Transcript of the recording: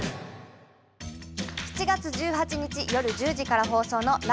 ７月１８日夜１０時から放送の「ＬＩＦＥ！夏」。